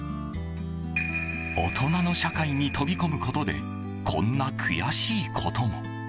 大人の社会に飛び込むことでこんな悔しいことも。